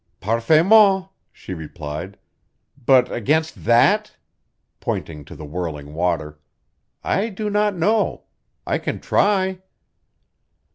"Parfaitement," she replied. "But against that" pointing to the whirling water "I do not know. I can try."